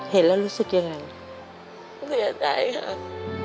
เห็นแล้วรู้สึกยังไงเหนื่อยใจครับ